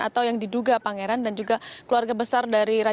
atau yang diduga pangeran dan juga keluarga besar dari raja